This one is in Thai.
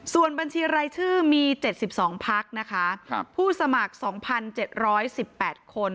ส่วนบัญชีรายชื่อมี๗๒พักนะคะผู้สมัคร๒๗๑๘คน